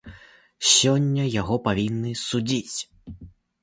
Сёння яго павінны судзіць.